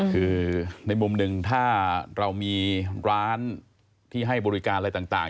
คือในมุมหนึ่งถ้าเรามีร้านที่ให้บริการอะไรต่าง